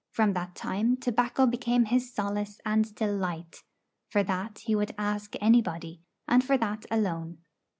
From that time tobacco became his solace and delight; for that he would ask anybody, and for that alone.